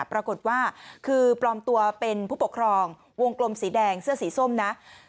ปรากฏว่าคือปลอมตัวเป็นผู้ปกครองวงกลมสีแดงเสื้อสีส้มนะ